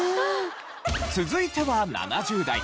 続いては７０代。